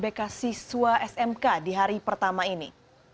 bagaimana pelaksanaan unbk siswa smk di hari pertama ini